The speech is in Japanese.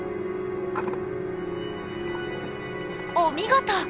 お見事！